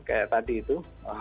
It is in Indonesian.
kayak tadi itu